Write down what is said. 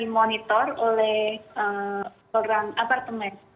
monitor oleh orang apartemen